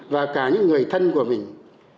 và cả những người thân của mình